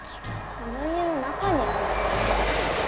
この家の中にあるようですね。